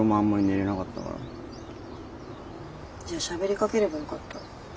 じゃあしゃべりかければよかった。